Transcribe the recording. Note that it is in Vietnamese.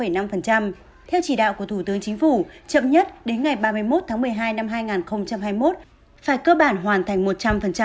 theo chỉ đạo của thủ tướng chính phủ chậm nhất đến ngày ba mươi một tháng một mươi hai năm hai nghìn hai mươi một phải cơ bản hoàn thành một trăm linh